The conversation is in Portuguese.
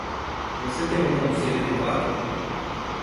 Você tem um conselho de quatro?